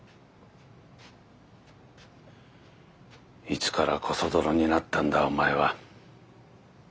・いつからコソ泥になったんだお前は。